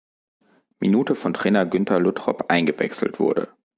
Minute von Trainer Günter Luttrop eingewechselt wurde.